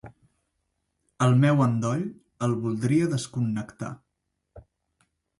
El meu endoll el voldria desconnectar.